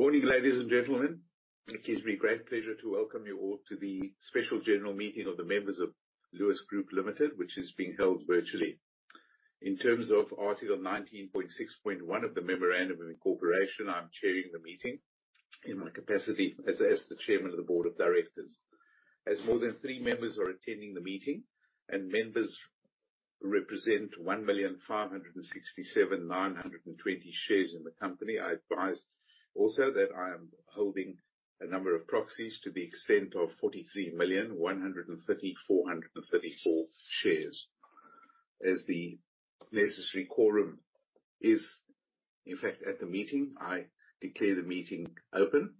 Good morning, ladies and gentlemen. It gives me great pleasure to welcome you all to the Special General Meeting of the members of Lewis Group Limited, which is being held virtually. In terms of Article 19.6.1 of the Memorandum of Incorporation, I'm chairing the meeting in my capacity as the Chairman of the Board of Directors. As more than three members are attending the meeting and members represent 1,567,920 shares in the company, I advise also that I am holding a number of proxies to the extent of 43,130,434 shares. As the necessary quorum is in fact at the meeting, I declare the meeting open.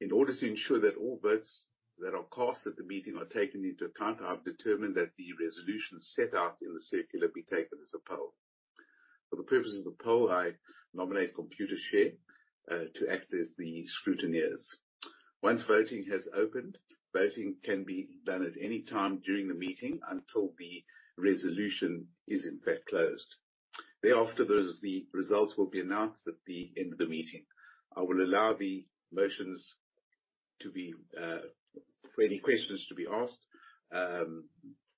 In order to ensure that all votes that are cast at the meeting are taken into account, I have determined that the resolution set out in the circular be taken as a poll. For the purposes of the poll, I nominate Computershare to act as the scrutineers. Once voting has opened, voting can be done at any time during the meeting until the resolution is in fact closed. Thereafter, the results will be announced at the end of the meeting. I will allow for any questions to be asked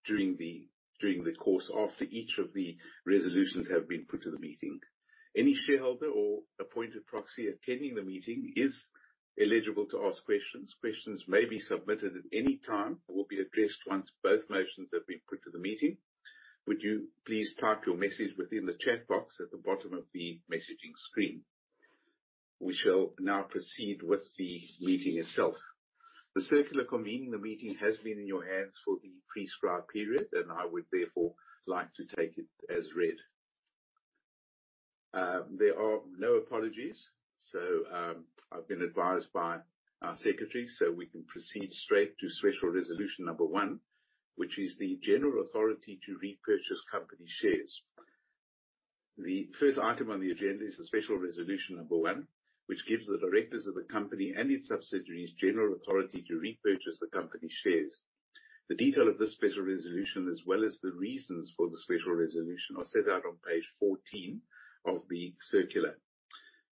during the course after each of the resolutions have been put to the meeting. Any shareholder or appointed proxy attending the meeting is eligible to ask questions. Questions may be submitted at any time and will be addressed once both motions have been put to the meeting. Would you please type your message within the chat box at the bottom of the messaging screen. We shall now proceed with the meeting itself. The circular convening the meeting has been in your hands for the prescribed period, I would therefore like to take it as read. There are no apologies, I've been advised by our secretary, we can proceed straight to special resolution number one, which is the general authority to repurchase company shares. The first item on the agenda is the special resolution number one, which gives the directors of the company and its subsidiaries general authority to repurchase the company shares. The detail of this special resolution, as well as the reasons for the special resolution, are set out on page 14 of the circular.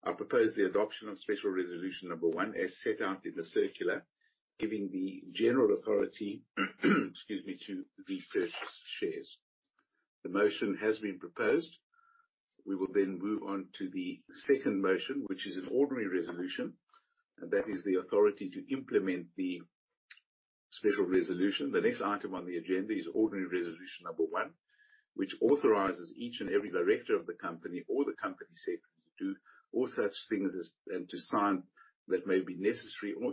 I propose the adoption of special resolution number one as set out in the circular, giving the general authority excuse me, to repurchase shares. The motion has been proposed. We will then move on to the second motion, which is an Ordinary Resolution, and that is the authority to implement the Special Resolution. The next item on the agenda is Ordinary Resolution Number one, which authorizes each and every director of the company or the company secretary to do all such things and to sign that may be necessary or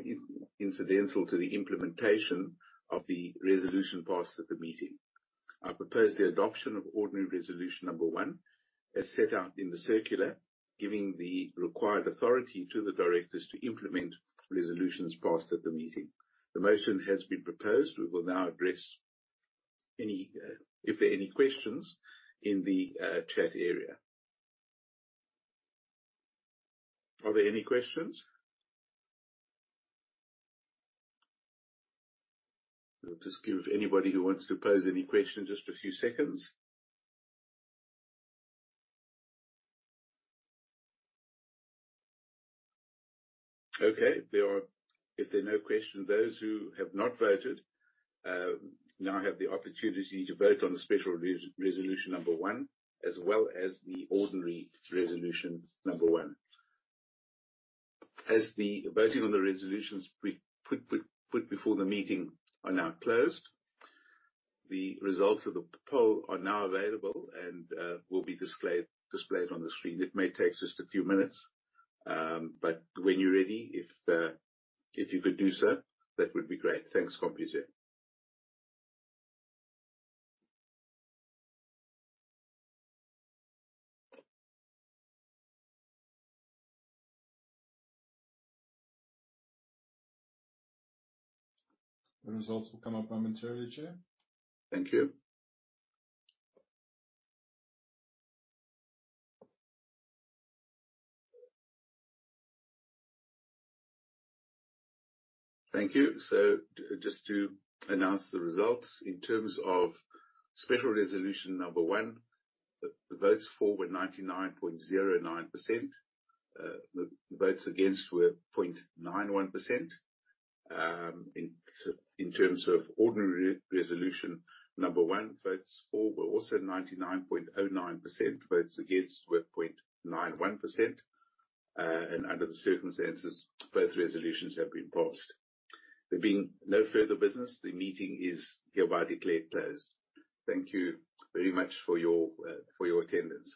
incidental to the implementation of the resolution passed at the meeting. I propose the adoption of Ordinary Resolution Number one, as set out in the circular, giving the required authority to the directors to implement resolutions passed at the meeting. The motion has been proposed. We will now address if there are any questions in the chat area. Are there any questions? I'll just give anybody who wants to pose any question just a few seconds. If there are no questions, those who have not voted now have the opportunity to vote on the special resolution number one, as well as the ordinary resolution number one. As the voting on the resolutions put before the meeting are now closed, the results of the poll are now available and will be displayed on the screen. It may take just a few minutes. When you're ready, if you could do so, that would be great. Thanks, Computershare. The results will come up momentarily, chair. Thank you. Thank you. Just to announce the results. In terms of special resolution number one, the votes for were 99.09%. The votes against were 0.91%. In terms of ordinary resolution number one, votes for were also 99.09%, votes against were 0.91%. Under the circumstances, both resolutions have been passed. There being no further business, the meeting is hereby declared closed. Thank you very much for your attendance.